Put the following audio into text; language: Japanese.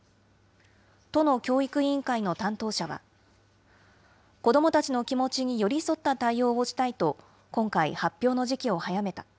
都の教育委員会の担当者は、子どもたちの気持ちに寄り添った対応をしたいと、今回、発表の時期を早めた。